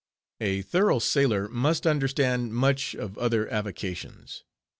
A thorough sailor must understand much of other avocations.